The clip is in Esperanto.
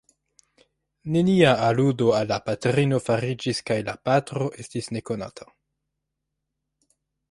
Nenia aludo al la patrino fariĝis kaj la patro estis nekonata.